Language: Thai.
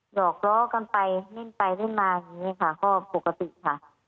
หอกล้อกันไปเล่นไปเล่นมาอย่างนี้ค่ะก็ปกติค่ะ